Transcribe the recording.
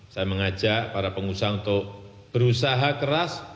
saya mengajak para pengusaha untuk berusaha keras